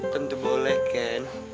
tentu boleh ken